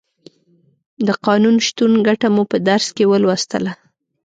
د قانون شتون ګټه مو په درس کې ولوستله.